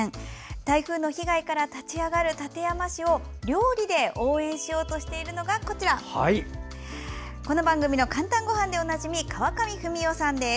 台風の被害から立ち上がる館山市を料理で応援しようとしているのがこの番組の「かんたんごはん」でおなじみ、川上文代さんです。